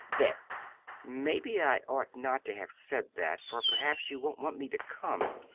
"There! Maybe I ought not to have said that, for perhaps you won't want me to come.